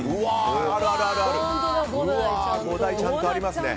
５台ちゃんとありますね。